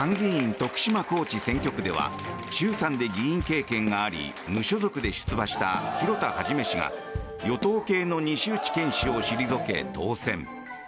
徳島・高知選挙区では衆参で議員経験があり無所属で出馬した広田一氏が与党系の西内健氏を退け、当選。